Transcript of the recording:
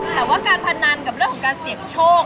แต่ว่าการพนันกับเรื่องของการเสี่ยงโชค